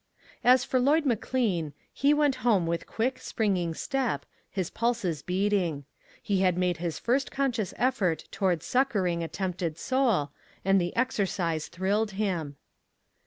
As for Lloyd McLean, he went home with quick, springing step, his pulses beating. He had made his first conscious effort toward succoring a tempted soul, and the exercise thrilled him.